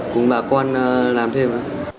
cùng bà con làm thêm